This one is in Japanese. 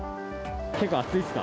結構暑いですか？